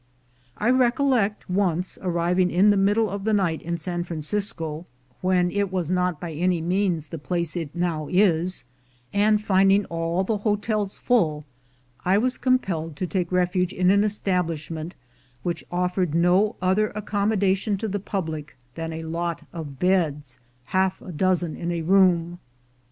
I recollect once arriving in the middle of the night in San Francisco, when it was 350 THE GOLD HUNTERS not by any means the place it now is, and finding all the hotels full, I was compelled to take refuge in an establishment which offered no other accommodation to the public than a lot of beds — half a dozen in a room.